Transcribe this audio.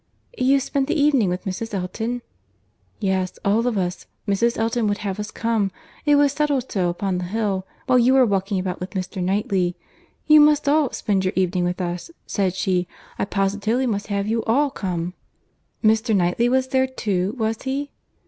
"You spent the evening with Mrs. Elton?" "Yes, all of us; Mrs. Elton would have us come. It was settled so, upon the hill, while we were walking about with Mr. Knightley. 'You must all spend your evening with us,' said she—'I positively must have you all come.'" "Mr. Knightley was there too, was he?"